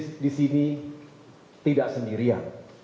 kebijakan entendek kesehatan